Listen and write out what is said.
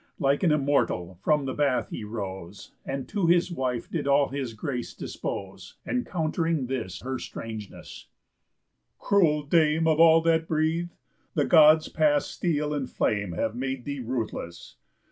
Like an Immortal from the bath he rose, And to his wife did all his grace dispose, Encount'ring this her strangeness: "Cruel dame Of all that breathe, the Gods past steel and flame Have made thee ruthless.